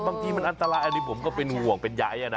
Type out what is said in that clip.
บางทีมันอันตรายอันนี้ผมก็เป็นห่วงเป็นใยนะ